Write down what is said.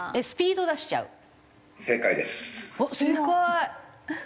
スピード出しちゃう？